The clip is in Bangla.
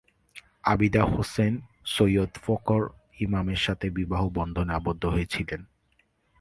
আবিদা হুসেন সৈয়দ ফখর ইমামের সাথে বিবাহবন্ধনে আবদ্ধ হয়েছিলেন।